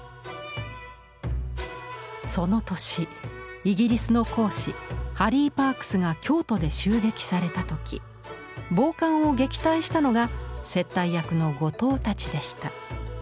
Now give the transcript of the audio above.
その年イギリスの公使ハリー・パークスが京都で襲撃された時暴漢を撃退したのが接待役の後藤たちでした。